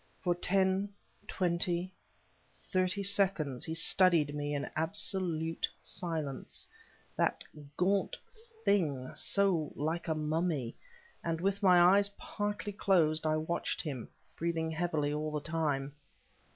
For ten twenty thirty seconds he studied me in absolute silence, that gaunt thing so like a mummy; and, with my eyes partly closed, I watched him, breathing heavily all the time.